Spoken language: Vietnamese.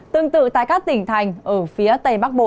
tương tự tại các tỉnh thành ở phía tây bắc bộ